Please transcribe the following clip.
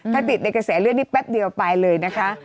ถ้าติดในกระแสเลือดนี่แป๊บเดียวไปเลยนะคะ